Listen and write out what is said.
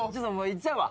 いっちゃうわ。